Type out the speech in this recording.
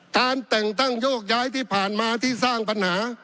การแต่งตั้งโยกย้ายที่ผ่านมาที่สร้างปัญหา